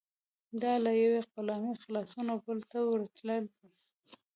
دا له یوې غلامۍ خلاصون او بلې ته ورتلل دي.